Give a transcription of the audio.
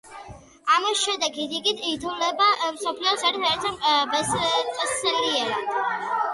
ამ შედეგით იგი ითვლება მსოფლიოს ერთ-ერთ ბესტსელერად.